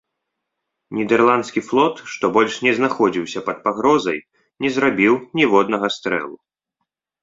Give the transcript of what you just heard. Нідэрландскі флот, што больш не знаходзіўся пад пагрозай, не зрабіў ніводнага стрэлу.